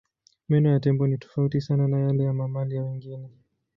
Meno ya tembo ni tofauti sana na yale ya mamalia wengine.